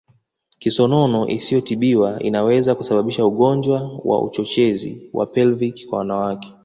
Kisonono isiyotibiwa inaweza kusababisha ugonjwa wa uchochezi wa Pelvic kwa wanawake